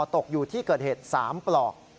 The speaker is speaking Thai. ตกอยู่ที่เกิดเหตุ๓ปลอก